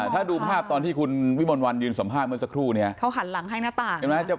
ถ้าดูภาพตอนที่คุณวิมนต์วันยืนสอบภาพเมื่อสักครู่เนี้ยเขาหันหลังให้หน้าตา